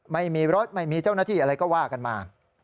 ไม่มีรถไม่มีเจ้าหน้าที่อะไรก็ว่ากันมา